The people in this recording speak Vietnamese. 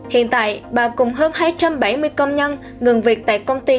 hiện tại bà cùng hơn hai trăm bảy mươi công nhân ngừng việc tại công ty